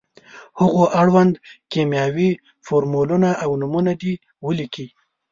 هغو اړوند کیمیاوي فورمولونه او نومونه دې ولیکي.